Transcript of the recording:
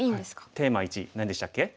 テーマ１何でしたっけ？